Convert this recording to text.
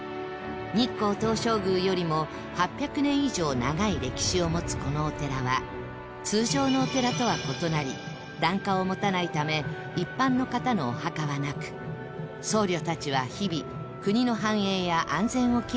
日光東照宮よりも８００年以上長い歴史を持つこのお寺は通常のお寺とは異なり檀家を持たないため一般の方のお墓はなく僧侶たちは日々国の繁栄や安全を祈願しています